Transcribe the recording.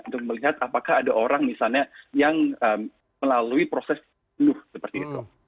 untuk melihat apakah ada orang misalnya yang melalui proses luh seperti itu